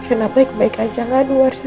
reina baik baik aja gak di luar sana